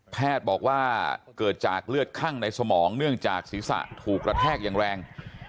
แพทย์บอกว่าเกิดจากเลือดคั่งในสมองเนื่องจากศีรษะถูกกระแทกอย่างแรง